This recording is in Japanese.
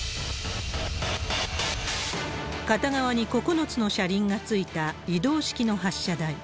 片側に９つの車輪が付いた移動式の発射台。